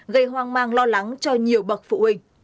gây hoang mang lo lắng cho nhiều bậc phụ huynh